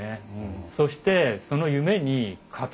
そしてそのあっ！